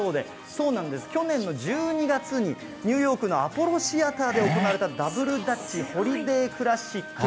そうなんです、去年の１２月に、ニューヨークのアポロシアターで行われたダブルダッチホリデークラシック。